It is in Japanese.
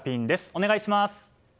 お願いします。